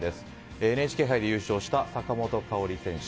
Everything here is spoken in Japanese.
ＮＨＫ杯で優勝した坂本花織選手。